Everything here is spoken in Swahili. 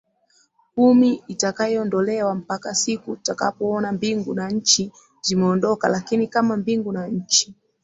kumi itakayoondolewa mpaka siku tutakapoona Mbingu na nchi zimeondoka Lakini kama Mbingu na nchi